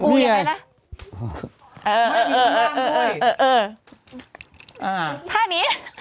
ปุ๋ยยังไงนะ